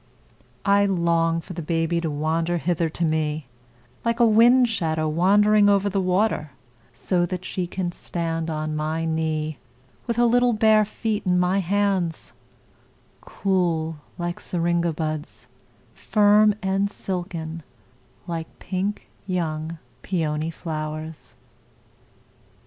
I long for the baby to wander hither to meLike a wind shadow wandering over the water, So that she can stand on my kneeWith her little bare feet in my hands, Cool like syringa buds, Firm and silken like pink young peony flowers.